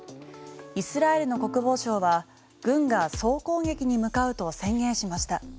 イスラエルの国防省は軍が総攻撃に向かうと宣言しました。